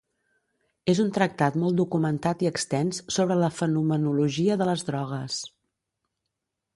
És un tractat molt documentat i extens sobre la fenomenologia de les drogues.